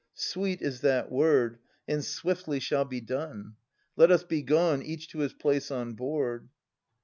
Sweet is that word, and swiftly shall be done! Let us be gone, each to his place on board.